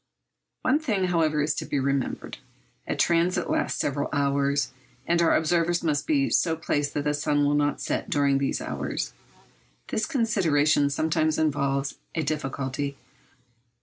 One thing, however, is to be remembered. A transit lasts several hours, and our observers must be so placed that the sun will not set during these hours. This consideration sometimes involves a difficulty.